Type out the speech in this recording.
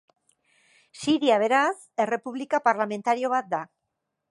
Siria, beraz, Errepublika parlamentario bat da.